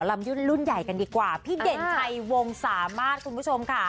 ลำยุ่นรุ่นใหญ่กันดีกว่าพี่เด่นชัยวงสามารถคุณผู้ชมค่ะ